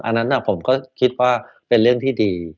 อันนั้นผมก็คิดว่าเป็นเรื่องที่ดี